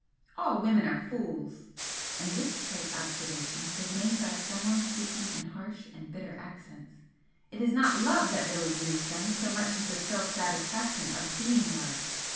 "All women are fools!" and this trite observation was made by someone speaking in harsh and bitter accents "It is not love that really moves them so much as the self satisfaction of BEING LOVED.